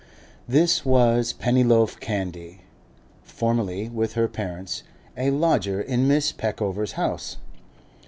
This was Pennyloaf Candy, formerly, with her parents, a lodger in Mrs. Peckover's house.